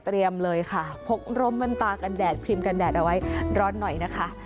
เลยค่ะพกร่มกันตากันแดดครีมกันแดดเอาไว้ร้อนหน่อยนะคะ